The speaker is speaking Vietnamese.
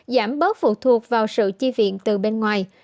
giảm bớt phụ thuộc vào sự chi viện từ bên ngoài